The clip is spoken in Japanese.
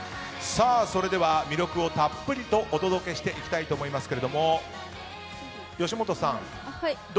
それでは魅力をたっぷりお届けしようと思いますが。